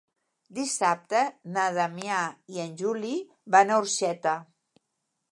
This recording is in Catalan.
Dissabte na Damià i en Juli van a Orxeta.